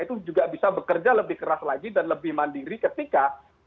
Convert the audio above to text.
itu juga bisa bekerja lebih keras lagi dan lebih mandiri ketika